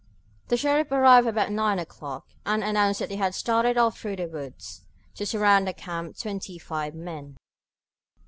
The sheriff arrived about nine o'clock, and announced that he had started off through the woods, to surround the camp, twenty five men.